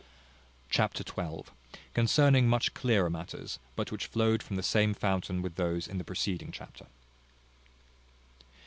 Chapter xii. Containing much clearer matters; but which flowed from the same fountain with those in the preceding chapter.